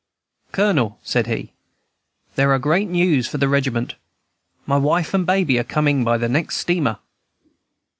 "Colonel," said he, "there are great news for the regiment. My wife and baby are coming by the next steamer!"